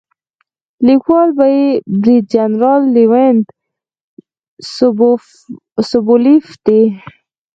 لیکوال یې برید جنرال لیونید سوبولیف دی.